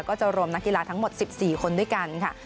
ก็จะรวมนักกีฬาทั้งหมด๑๔คนด้วยกันค่ะ